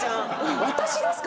私ですか？